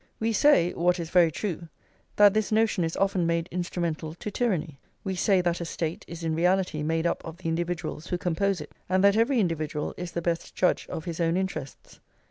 We say, what is very true, that this notion is often made instrumental to tyranny; we say that a State is in reality made up of the individuals who compose it, and that every individual is the best judge of his own interests.